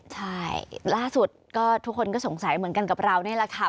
ใช่ล่าสุดก็ทุกคนก็สงสัยเหมือนกันกับเรานี่แหละค่ะ